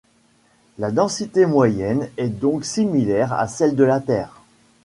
La densité moyenne est donc similaire à celle de la Terre.